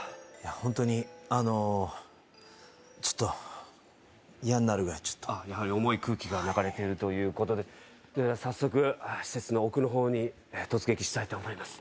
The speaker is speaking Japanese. ホントにあのちょっと嫌になるぐらいちょっとやはり重い空気が流れているということで早速施設の奥の方に突撃したいと思います